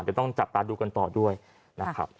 เดี๋ยวต้องจับตาดูกันต่อด้วยนะครับ